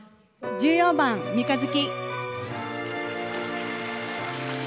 １４番「三日月」。